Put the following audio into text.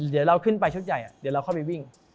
เดี๋ยวเราขึ้นไปชุดใหญ่เดี๋ยวเราเข้าไปวิ่ง